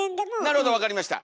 なるほどわかりました！